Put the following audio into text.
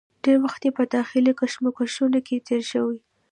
ډېر وخت یې په داخلي کشمکشونو کې تېر شوی.